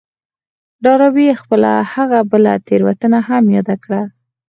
ډاربي خپله هغه بله تېروتنه هم ياده کړه.